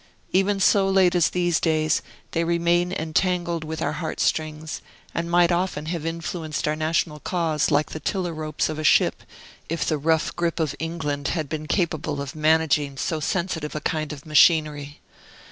Even so late as these days, they remain entangled with our heart strings, and might often have influenced our national cause like the tiller ropes of a ship, if the rough gripe of England had been capable of managing so sensitive a kind of machinery.